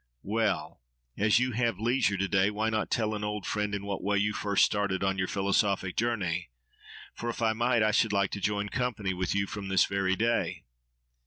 —Well! as you have leisure to day, why not tell an old friend in what way you first started on your philosophic journey? For, if I might, I should like to join company with you from this very day.